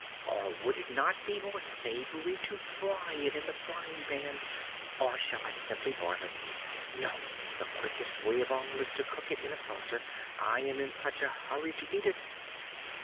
Or would it not be more savory to fry it in the frying pan? Or shall I simply boil it? No, the quickest way of all is to cook it in a saucer: I am in such a hurry to eat it!"